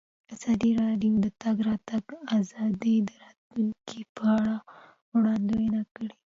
ازادي راډیو د د تګ راتګ ازادي د راتلونکې په اړه وړاندوینې کړې.